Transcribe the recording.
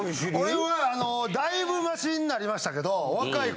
俺はだいぶマシになりましたけど。